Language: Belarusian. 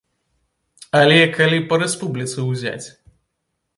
Але калі па рэспубліцы ўзяць!